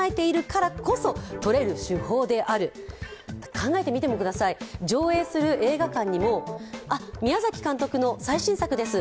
考えてみてください、上映する映画館にも宮崎監督の最新作です